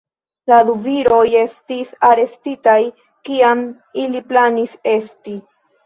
La du viroj estis arestitaj, kiam ili planis esti.